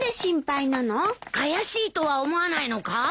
怪しいとは思わないのか？